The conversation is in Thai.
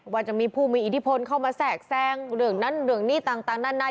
ว่าจะมีผู้มีอิทธิพลเข้ามาแทรกแทรงเรื่องนั้นเรื่องนี้ต่างนาน